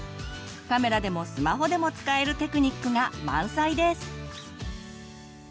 カメラでもスマホでも使えるテクニックが満載です！